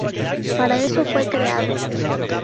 Para eso fue creado.